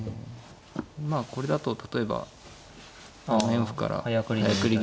まあこれだと例えば７四歩から早繰り